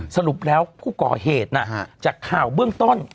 สรุปแล้วผู้ก่อเหตุจากข่าวเบื้องต้น